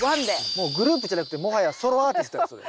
もうグループじゃなくてもはやソロアーティストやそれ。